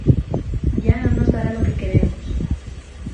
Ya no nos dará lo que queremos"".